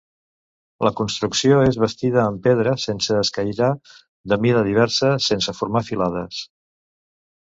La construcció és bastida amb pedra sense escairar de mida diversa, sense formar filades.